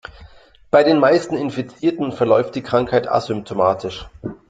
Bei den meisten Infizierten verläuft die Krankheit asymptomatisch.